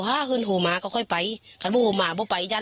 พอคี้สอบไปจัดที่บ้านใช่ไหม